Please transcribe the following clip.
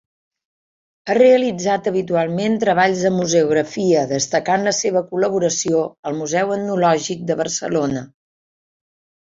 Ha realitzat habitualment treballs de museografia, destacant la seva col·laboració al Museu Etnològic de Barcelona.